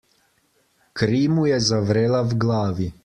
Kri mu je zavrela v glavi.